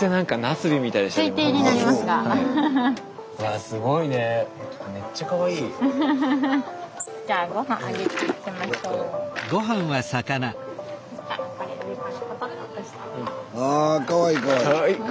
スタジオあかわいいかわいい！